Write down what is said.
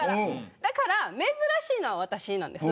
だから、珍しいのは私なんです。